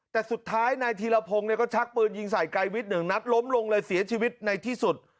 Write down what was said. แต่สุดท้ายนายธีรพงศ์เนี่ยก็ชักปืนยิงใส่ไกรวิทย์หนึ่งนัดล้มลงเลยเสียชีวิตในที่สุด